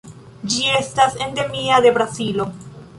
Ĝi estas endemia de Brazilo.